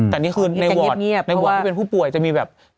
แต่ในวอตที่เป็นผู้ป่วยจะมีแบบ